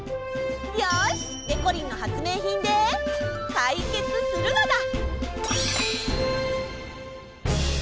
よし！でこりんの発明品でかいけつするのだ！